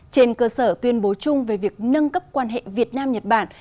trên cơ sở tuyên bố chung về việc nâng cấp quan hệ việt nam nhật bản